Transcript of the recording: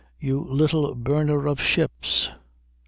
"You little burner of ships."